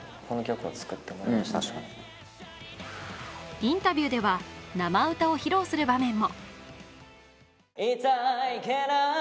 インタビューでは生歌を披露する場面も。